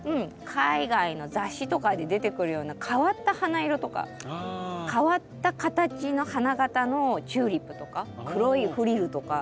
海外の雑誌とかで出てくるような変わった花色とか変わった形の花形のチューリップとか黒いフリルとか。